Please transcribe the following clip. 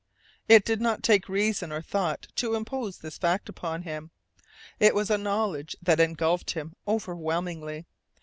It did not take reason or thought to impinge this fact upon him. It was a knowledge that engulfed him overwhelmingly.